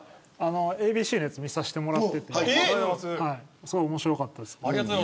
ＡＢＣのやつ見させてもらっていてすごく面白かったです。